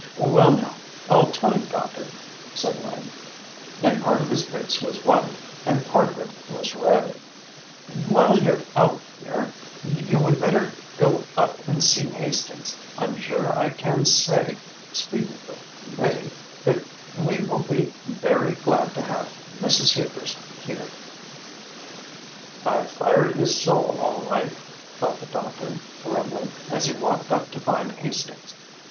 "Well now, I'll tell you, doctor," said Lane, and part of his face was white, and part of it was red, "while you're out here, you would better go up and see Hastings. I'm sure I can say speaking for the committee that we will be very glad to have Mrs. Hubers here." "I fired his soul all right," thought the doctor, grimly, as he walked up to find Hastings.